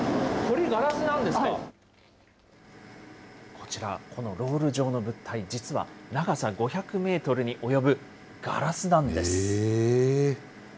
こちら、このロール状の物体、実は長さ５００メートルに及ぶガラスなんです。